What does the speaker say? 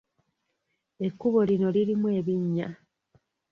Ekkubo lino lirimu ebinnya.